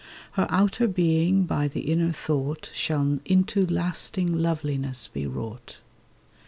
Her outer being by the inner thought Shall into lasting loveliness be wrought.